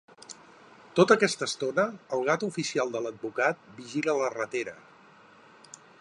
Tota aquesta estona, el gat oficial de l'advocat vigila la ratera.